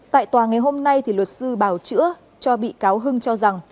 tại tòa ngày hôm nay luật sư bảo chữa cho bị cáo hưng cho rằng